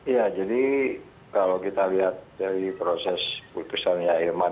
ya jadi kalau kita lihat dari proses putusannya irman